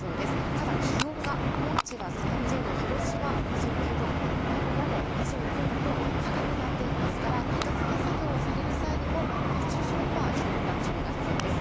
ただ、気温が、高知は３０度、広島２９度、名古屋も２９度と高くなっていますから、片づけ作業をされる際にも、熱中症には十分な注意が必要です。